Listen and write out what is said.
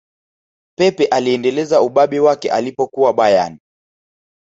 pep aliendeleza ubabe wake alipokuwa bayern